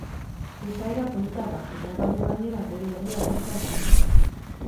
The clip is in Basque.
Esaera polita da eta badu, gainera, bere egia pixka eta puska.